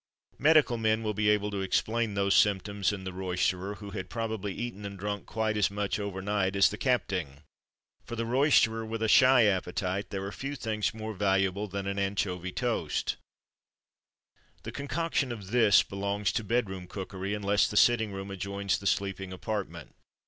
Medical men will be able to explain those symptoms in the roysterer, who had probably eaten and drunk quite as much over night as the "capting." For the roysterer with a shy appetite there are few things more valuable than an Anchovy Toast. The concoction of this belongs to bedroom cookery, unless the sitting room adjoins the sleeping apartment.